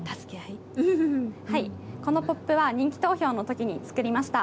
このポップは人気投票のときに作りました。